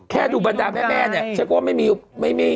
ดูบรรดาแม่เนี่ยฉันก็ว่าไม่มีไม่มี